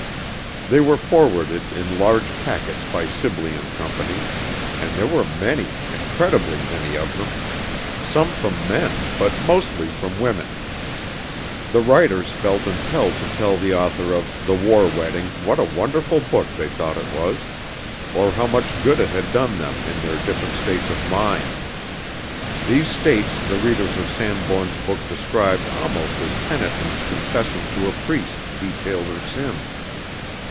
They were forwarded in large packets by Sibley and Company, and there were many, incredibly many of them; some from men, but mostly from women. The writers felt impelled to tell the author of "The War Wedding" what a wonderful book they thought it was, or how much good it had done them in their different states of mind. These states the readers of Sanbourne's book described almost as penitents confessing to a priest detail their sins.